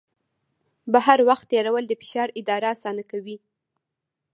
بهر وخت تېرول د فشار اداره اسانه کوي.